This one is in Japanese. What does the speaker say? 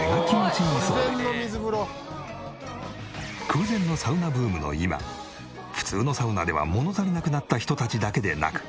空前のサウナブームの今普通のサウナでは物足りなくなった人たちだけでなく。